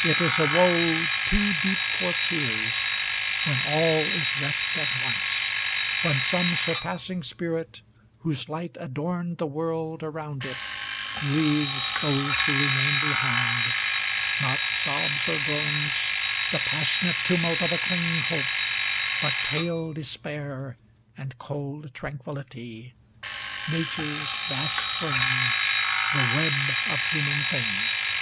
It is a woe "too deep for tears," wbeq all Is reft at once, when some surpassing Spirit, Whose light adorned the world around it;, leaves Those who remain behind, not sobs 01 groans. The passionate tumult of a clinging hope; But pale despair and cold tranquillity. Nature's vast frame, the web of human things.